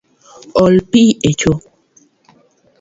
Ol pi echo